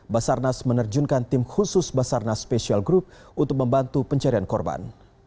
basarnas menerjunkan tim khusus basarnas special group untuk membantu pencarian korban